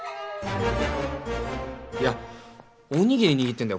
いやおにぎり握ってるんだよ